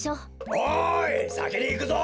おいさきにいくぞ。